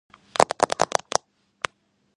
ცილინდრული ან იზომეტრიული ფორმისაა.